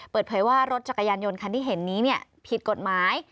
เปิดเผยว่ารถจักรยานยนต์คันที่เห็นนี้ผิดกฎหมาย